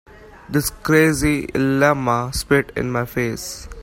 This crazy llama spit in my face.